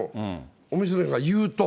お店の人が言うと。